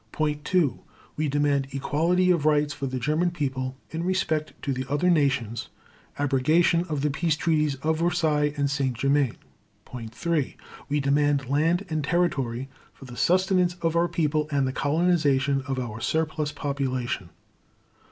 Point 2. We demand equality of rights for the German People in respect to the other nations; abrogation of the peace treaties of Versailles and Saint Germain. Point 3. We demand land and territory for the sustenance of our people, and the colonization of our surplus population.